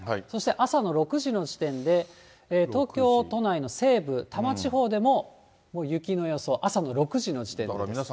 そして朝の６時の時点で東京都内の西部、多摩地方でも雪の予想、朝の６時の時点です。